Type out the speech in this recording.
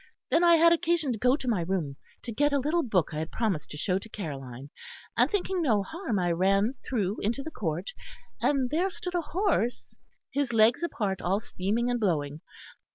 Then I had occasion to go to my room to get a little book I had promised to show to Caroline; and, thinking no harm, I ran through into the court, and there stood a horse, his legs apart, all steaming and blowing.